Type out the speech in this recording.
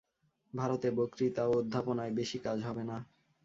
ভারতে বক্তৃতা ও অধ্যাপনায় বেশী কাজ হবে না।